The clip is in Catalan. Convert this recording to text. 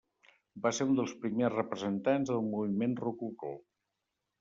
Va ser un dels primers representants del moviment rococó.